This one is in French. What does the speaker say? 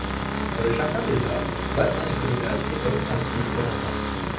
Dans le jardin des Arts, bassins et colonnades évoquent un style florentin.